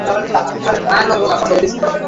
ওকে, যথেষ্ট ধ্বংসযজ্ঞ হয়েছে।